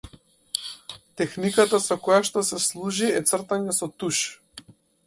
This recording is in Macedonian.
Техниката со која што се служи е цртање со туш.